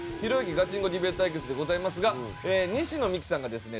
ガチンコディベート対決でございますが西野未姫さんがですね